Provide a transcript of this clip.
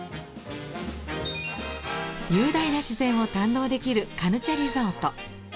雄大な自然を堪能できるカヌチャリゾート。